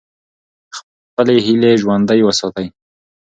خپلې هیلې ژوندۍ وساتئ.